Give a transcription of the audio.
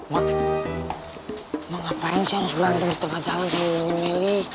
mama mama ngapain sih harus berantem di tengah jalan sama nenek meli